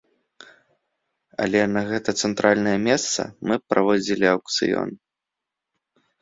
Але на гэта цэнтральнае месца, мы б праводзілі аўкцыён.